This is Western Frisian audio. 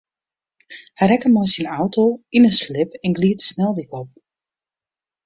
Hy rekke mei syn auto yn in slip en glied de sneldyk op.